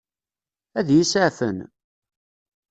Ad iyi-iseɛfen?